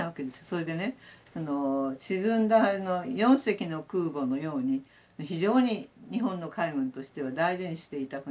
それでね沈んだ４隻の空母のように非常に日本の海軍としては大事にしていた船だし。